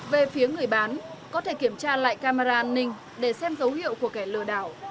về phía người bán có thể kiểm tra lại camera an ninh để xem dấu hiệu của kẻ lừa đảo